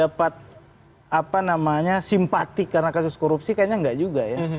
dapat apa namanya simpati karena kasus korupsi kayaknya nggak juga ya